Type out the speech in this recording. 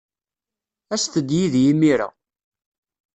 Aset-d yid-i imir-a.